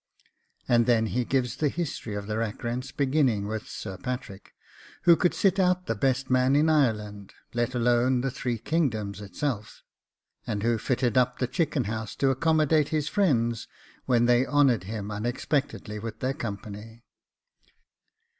And then he gives the history of the Rackrents, beginning with Sir Patrick, who could sit out the best man in Ireland, let alone the three kingdoms itself, and who fitted up the chicken house to accommodate his friends when they honoured him unexpectedly with their company.